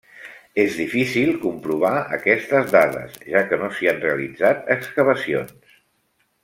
És difícil comprovar aquestes dades, ja que no s'hi han realitzat excavacions.